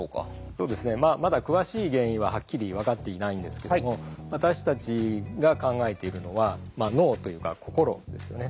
そうですねまだ詳しい原因ははっきり分かっていないんですけども私たちが考えているのは脳というか心ですよね